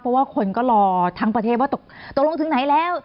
เพราะว่าคนก็รอทั้งประเทศว่าตกลงถึงไหนแล้ว